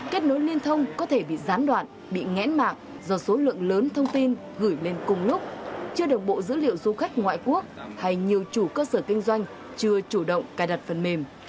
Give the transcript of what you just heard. kết nối liên thông có thể bị gián đoạn bị ngẽn mạng do số lượng lớn thông tin gửi lên cùng lúc chưa được bộ dữ liệu du khách ngoại quốc hay nhiều chủ cơ sở kinh doanh chưa chủ động cài đặt phần mềm